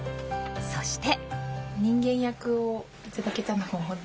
そして。